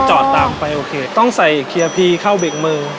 จอดตามไปโอเคต้องใส่เคลียร์พีเข้าเบรกมือ